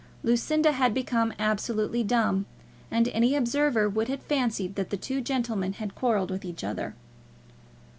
Lucinda had become absolutely dumb, and any observer would have fancied that the two gentlemen had quarrelled with each other.